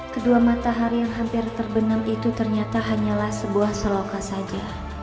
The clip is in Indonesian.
kedua matahari yang hampir terbenam itu ternyata hanyalah sebuah selokan saja